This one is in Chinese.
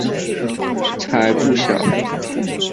才不小！